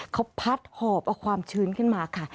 เขาพัดหอบเอาความชื้นขึ้นมาค่ะ